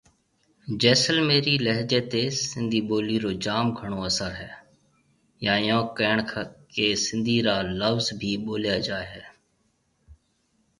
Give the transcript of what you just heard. جيسلميري لهجي تي سنڌي ٻولي رو جام گھڻو اسر هيَ يان ايئيون ڪيڻ ڪي سنڌي را لڦز بهيَ ٻوليا جائي هيَ۔